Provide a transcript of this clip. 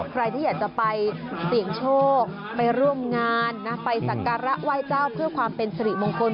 ใครที่อยากจะไปเสี่ยงโชคไปร่วมงานนะไปสักการะไหว้เจ้าเพื่อความเป็นสิริมงคล